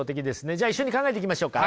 じゃあ一緒に考えていきましょうか。